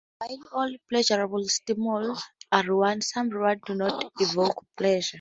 While all pleasurable stimuli are rewards, some rewards do not evoke pleasure.